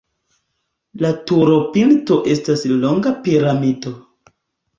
La turopinto estas longa piramido.